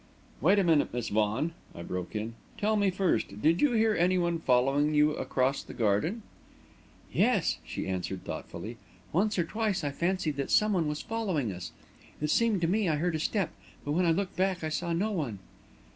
"Wait a minute, Miss Vaughan," I broke in. "Tell me, first did you hear anyone following you across the garden?" "Yes," she answered thoughtfully; "once or twice I fancied that someone was following us. It seemed to me I heard a step, but when I looked back I saw no one."